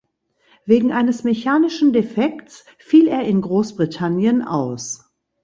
Wegen eines mechanischen Defekts fiel er in Großbritannien aus.